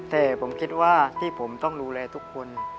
แต่ผมคิดว่าที่ผมต้องดูแลทุกคน